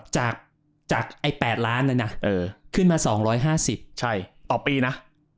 จากไอ้๘ล้านเลยนะขึ้นมา๒๕๐ล้านดอลลาร์สาระต่อปีนะ